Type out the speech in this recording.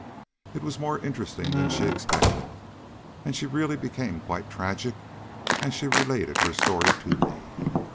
It was more interesting than she expected, and she really became quite tragic as she related her story to me.